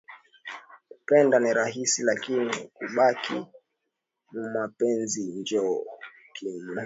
Kupenda ni rahisi lakini kubakia mumapenzi njo kya muimu